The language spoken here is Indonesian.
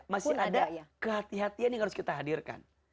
masih ada kehati hatian yang harus kita hadirkan